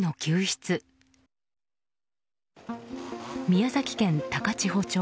宮崎県高千穂町。